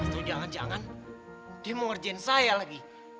terus jangan jangan dia mau ngerjain saya lagi